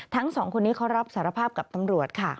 ทั้งสองคนนี้เขารับสารภาพกับตำรวจค่ะ